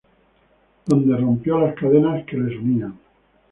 Donde rompió las cadenas que les unían.